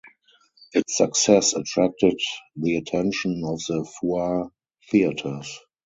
Its success attracted the attention of the Foire theatres.